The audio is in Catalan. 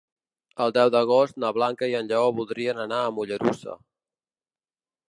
El deu d'agost na Blanca i en Lleó voldrien anar a Mollerussa.